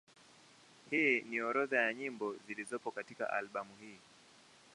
Hii ni orodha ya nyimbo zilizopo katika albamu hii.